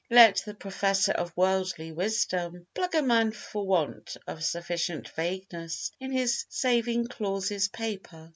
Let the Professor of Worldly Wisdom pluck a man for want of sufficient vagueness in his saving clauses paper.